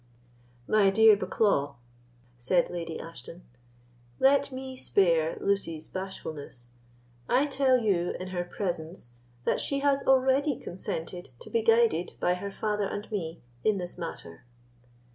"My dear Bucklaw," said Lady Ashton, "let me spare Lucy's bashfulness. I tell you, in her presence, that she has already consented to be guided by her father and me in this matter.